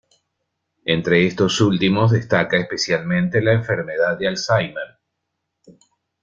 Entre estos últimos, destaca especialmente la enfermedad de Alzheimer.